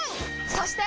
そして！